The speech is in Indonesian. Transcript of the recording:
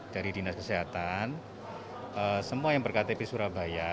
dari dinas kesehatan semua yang ber ktp surabaya